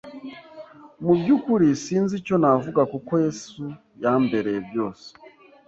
Mu byukuri sinzi icyo navuga kuko Yesu yambereye byose,